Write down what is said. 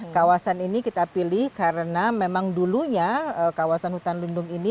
kawasan ini kita pilih karena memang dulunya kawasan hutan lindung ini